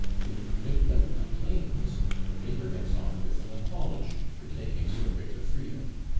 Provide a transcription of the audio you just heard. If the victim complains, the paper gets off with an apology for taking so great a freedom.